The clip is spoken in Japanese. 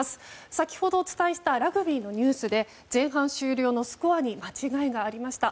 先ほどお伝えしたラグビーのニュースで前半終了のスコアに間違いがありました。